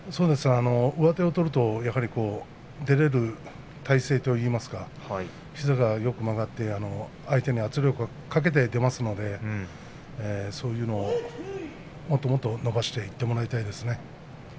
上手を取るとやはり出られる体勢といいますか膝がよく曲がって相手に圧力をかけて出ますのでもっともっと伸ばしていってもらいたいですね。